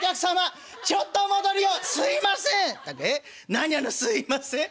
「何やらすいません。